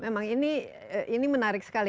memang ini menarik sekali